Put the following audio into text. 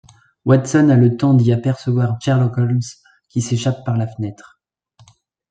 Watson a le temps d'y apercevoir Sherlock Holmes qui s'échappe par la fenêtre.